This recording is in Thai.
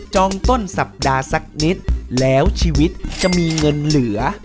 ต้นสัปดาห์สักนิดแล้วชีวิตจะมีเงินเหลือ